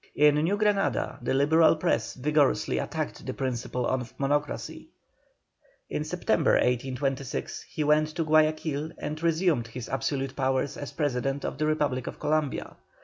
In New Granada the Liberal press vigorously attacked the principle of Monocracy. In September, 1826, he went to Guayaquil and resumed his absolute powers as President of the Republic of Columbia.